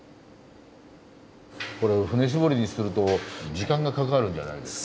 これ槽搾りにすると時間がかかるんじゃないですか？